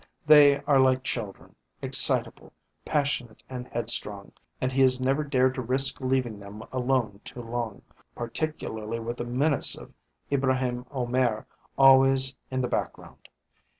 They are like children, excitable, passionate and headstrong, and he has never dared to risk leaving them alone too long, particularly with the menace of Ibraheim Omair always in the background.